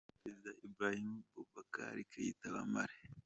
Perezida Ibrahim Boubacar Keïta wa Mali.